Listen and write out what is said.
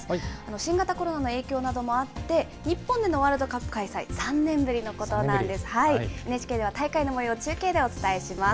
新型コロナの影響などもあって、日本でのワールドカップ開催、３年ぶりのことなんです。